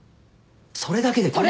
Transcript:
それだけでこんな。